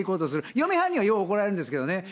嫁はんにはよう怒られるんですけどね。